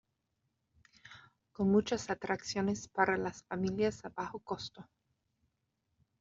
Con muchas atracciones para las familias a bajo costo.